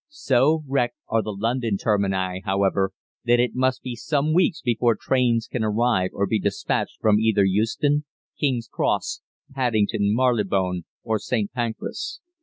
So wrecked are the London termini, however, that it must be some weeks before trains can arrive or be despatched from either Euston, King's Cross, Paddington, Marylebone, or St. Pancras.